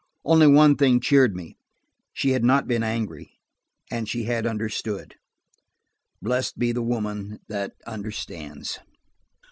Only one thing cheered me: she had not been angry, and she had understood. Blessed be the woman that understands!